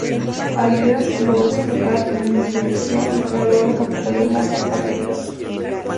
Aguilera logró sofocar la insurrección y trasladó la capital de Moxos a Trinidad.